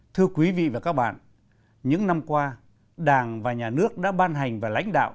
thưa quý vị và các bạn những năm qua đảng và nhà nước đã ban hành và lãnh đạo